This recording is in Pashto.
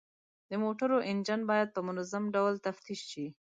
د موټرو انجن باید په منظم ډول تفتیش شي.